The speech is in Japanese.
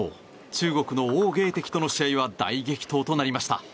中国のオウ・ゲイテキとの試合は大激闘となりました。